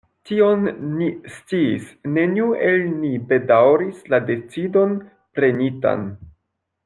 Tion ni sciis: neniu el ni bedaŭris la decidon prenitan.